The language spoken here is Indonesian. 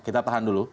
kita tahan dulu